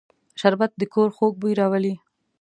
شربت د کور خوږ بوی راولي